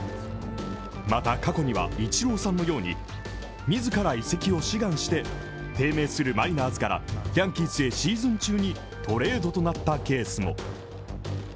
また、過去にはイチローさんのように自ら移籍を志願して低迷するマリナーズからヤンキースへシーズン中にトレードとなったケースも。